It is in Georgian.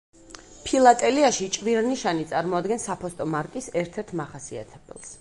ფილატელიაში ჭვირნიშანი წარმოადგენს საფოსტო მარკის ერთ-ერთ მახასიათებელს.